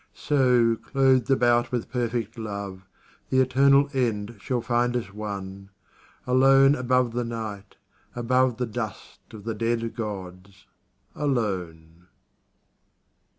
So, clothed about with perfect love, The eternal end shall find us one, Alone above the Night, above The dust of the dead gods, alone.